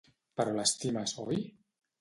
Però l'estimes, oi?